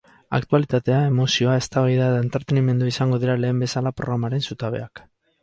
Aktualitatea, emozioa, eztabaida eta entretenimendua izango dira lehen bezala programaren zutabeak.